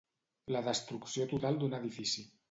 La destrucció total d'un edifici.